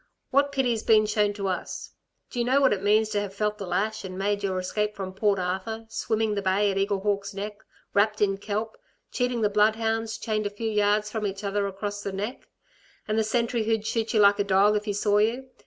What pity's been shown to us? Do y' know what it means to have felt the lash, and made your escape from Port Arthur, swimming the bay at Eaglehawks' Neck, wrapped in kelp, cheating the bloodhounds chained a few yards from each other across the Neck, and the sentry who'd shoot you like a dog if he saw you?